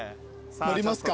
乗りますか。